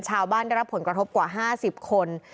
ชาวบ้านได้รับผลกระทบกว่า๕๐คน